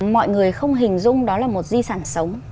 mọi người không hình dung đó là một di sản sống